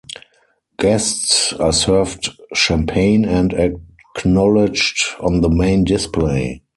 Guests are served champagne and acknowledged on the main display.